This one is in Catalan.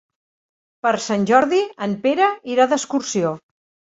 Per Sant Jordi en Pere irà d'excursió.